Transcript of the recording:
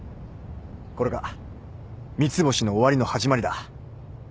これが三ツ星の終わりの始まりだ。